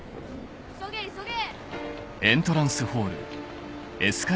急げ急げ！